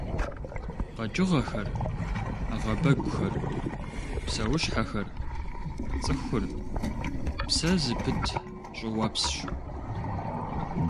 КъэкӀыгъэхэр, Ӏэгъэбэгухэр, псэущхьэхэр, цӀыхур – псэ зыпыт щӀыуэпсщ.